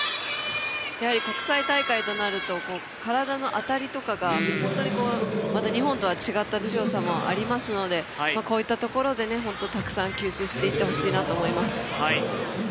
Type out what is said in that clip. やはり、国際大会となると体の当たりとかが本当にまた日本とは違った強さもありますのでこういったところでたくさん吸収していってほしいと思います。